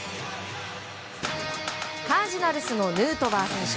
カージナルスのヌートバー選手。